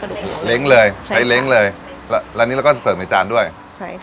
กระดูกหมูเล้งเลยใช่เล้งเลยและและนี่เราก็เสิร์ฟในจานด้วยใช่ค่ะ